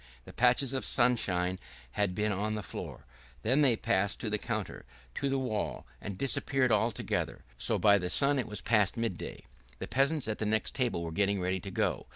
The patches of sunshine had been on the floor, then they passed to the counter, to the wall, and disappeared altogether; so by the sun it was past midday. The peasants at the next table were getting ready to go.